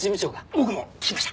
僕も聞きました。